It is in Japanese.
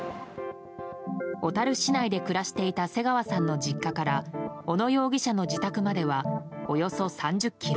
小樽市内で暮らしていた瀬川さんの実家から小野容疑者の自宅まではおよそ３０ｋｍ。